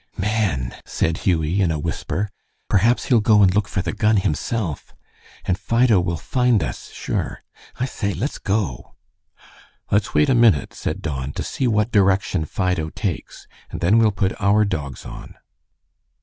"Man!" said Hughie, in a whisper, "perhaps he'll go and look for the gun himself. And Fido will find us, sure. I say, let's go." "Let's wait a minute," said Don, "to see what direction Fido takes, and then we'll put our dogs on."